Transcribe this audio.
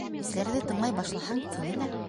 Бисәләрҙе тыңлай башлаһаң, тине лә...